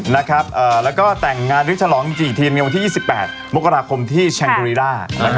แล้วก็แต่งงานฤทธิภีมีวันที่๒๘มกราคมที่แชงกรีล่า